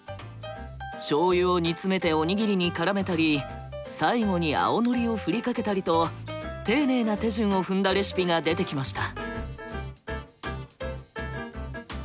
醤油を煮詰めておにぎりに絡めたり最後に青のりを振りかけたりと丁寧な手順を踏んだレシピが出てきました。